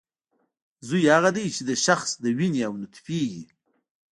زوی هغه دی چې د شخص له وینې او نطفې وي